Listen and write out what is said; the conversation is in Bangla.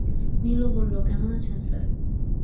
নীলু বলল, কেমন আছেন স্যার?